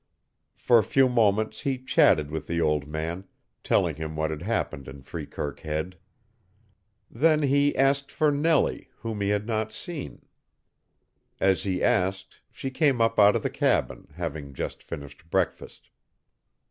For a few moments he chatted with the old man, telling him what had happened in Freekirk Head. Then he asked for Nellie, whom he had not seen. As he asked she came up out of the cabin, having just finished breakfast.